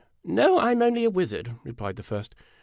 " No ; I 'm only a wizard," replied the first.